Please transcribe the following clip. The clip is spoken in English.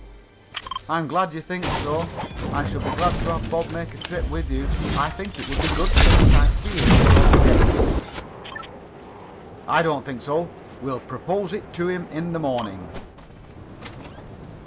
"I am glad you think so. I should be very glad to have Bob make a trip with you. I think it would do him good, but I fear he will object to it." "I don't think so. We'll propose it to him in the morning."